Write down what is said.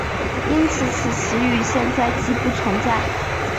因此此词语现在几不存在。